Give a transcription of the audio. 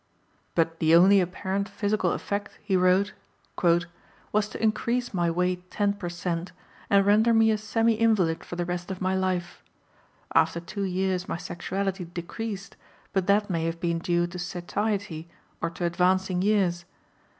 "But the only apparent physical effect," he wrote, "was to increase my weight 10 per cent., and render me a semi invalid for the rest of my life. After two years my sexuality decreased, but that may have been due to satiety or to advancing years.